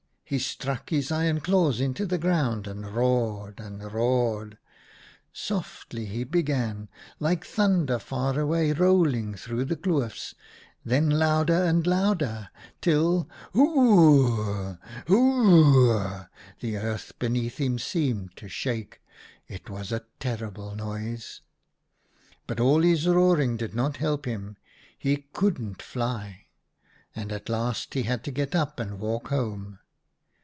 He struck his iron claws into the ground and roared and roared. Softly he began, like thunder far away rolling through the kloofs, then louder and louder, ii 4 OUTA KAREL'S STORIES till — hoor rr rr rr, hoor rr rr rr — the earth beneath him seemed to shake. It was a terrible noise. " But all his roaring did not help him, he couldn't fly, and at last he had to get up and walk home.